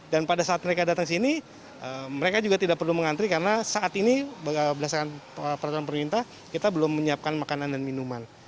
dan pada saat mereka datang sini mereka juga tidak perlu mengantri karena saat ini berdasarkan perintah perintah kita belum menyiapkan makanan dan minuman